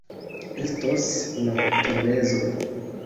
Estos noktomezo.